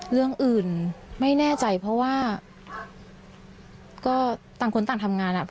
เรื่องอื่นไม่แน่ใจเพราะว่าก็ต่างคนต่างทำงานอ่ะ